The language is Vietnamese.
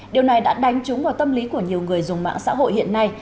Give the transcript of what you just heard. điều này đã đánh trúng vào tâm lý của nhiều người dùng mạng xã hội hiện nay